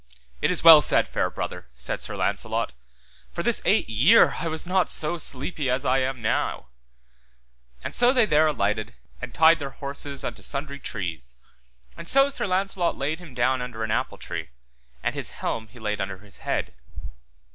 It is well said, fair brother, said Sir Launcelot, for this eight year I was not so sleepy as I am now; and so they there alighted and tied their horses unto sundry trees, and so Sir Launcelot laid him down under an appletree, and his helm he laid under his head.